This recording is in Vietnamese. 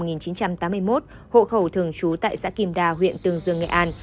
sinh năm một nghìn chín trăm tám mươi một hộ khẩu thường trú tại xã kim đa huyện tương dương nghệ an